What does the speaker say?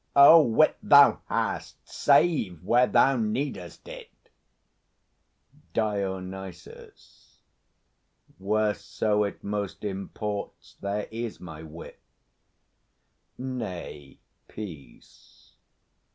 Oh, wit thou hast, save where thou needest it! DIONYSUS. Whereso it most imports, there is my wit! Nay, peace!